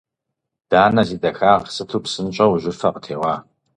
Данэ зи дахагъ, сыту псынщӏэу жьыфэ къытеуа.